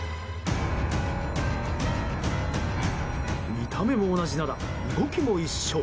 見た目も同じなら、動きも一緒。